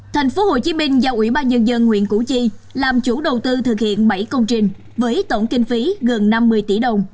tp hcm do ubnd huyện củ chi làm chủ đầu tư thực hiện bảy công trình với tổng kinh phí gần năm mươi tỷ đồng